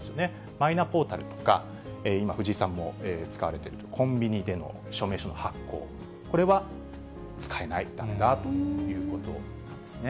マイナポータルとか、今、藤井さんも使われてるというコンビニでの証明書の発行、これは使えない、だめだということなんですね。